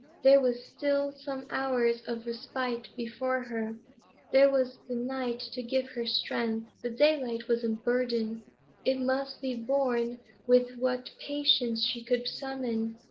There were still some hours of respite before her; there was the night to give her strength. The daylight was a burden; it must be borne with what patience she could summon.